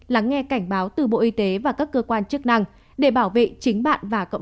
lắng nghe cảnh báo từ bộ y tế và các cơ quan trước năm